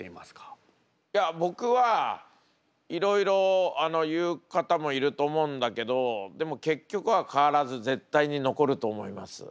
いや僕はいろいろ言う方もいると思うんだけどでも結局は変わらず絶対に残ると思います。